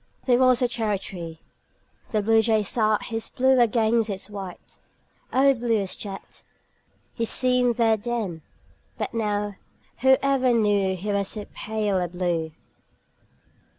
There was a cherry tree. The Bluejay sat His blue against its white O blue as jet He seemed there then! But now Whoever knew He was so pale a blue!